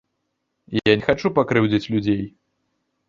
Я не хачу пакрыўдзіць людзей.